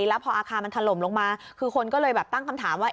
แล้วพออาคารมันถล่มลงมาคือคนก็เลยแบบตั้งคำถามว่า